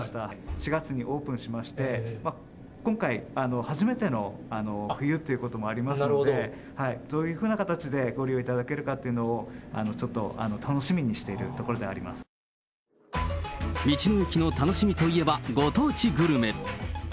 ４月にオープンしまして、今回、初めての冬ということもありますので、どういうふうな形でご利用いただけるかっていうのを、ちょっと楽道の駅の楽しみといえば、ご当地グルメ。